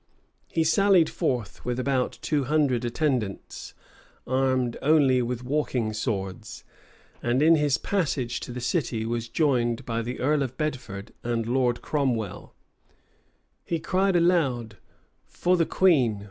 He sallied forth with about two hundred attendants, armed only with walking swords; and in his passage to the city was joined by the earl of Bedford and Lord Cromwell He cried aloud, "For the queen!